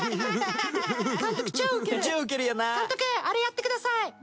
あれやってください